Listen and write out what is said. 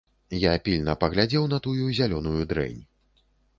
Я пільна паглядзеў на тую зялёную дрэнь.